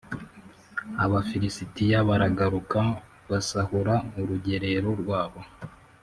Abafilisitiya baragaruka basahura urugerero rwabo